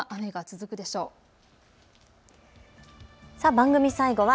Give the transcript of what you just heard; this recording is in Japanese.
番組最後は＃